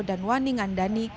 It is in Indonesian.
dan wani ngandani